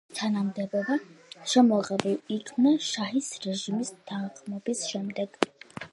პრეზიდენტის თანამდებობა შემოღებულ იქნა შაჰის რეჟიმის დამხობის შემდეგ.